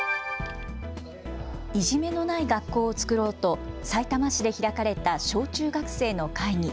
いじめのない学校をつくろうとさいたま市で開かれた小中学生の会議。